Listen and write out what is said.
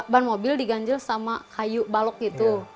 ban mobil diganjil sama kayu balok gitu